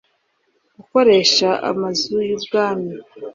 gukoresha Amazu y Ubwami